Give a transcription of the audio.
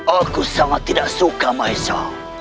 aku sangat tidak suka maessa